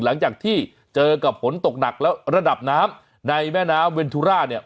หลังจากที่เจอกับฝนตกหนักแล้วระดับน้ำในแม่น้ำเวนทุราเนี่ย